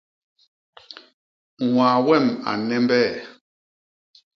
Ñwaa wem a nnembee.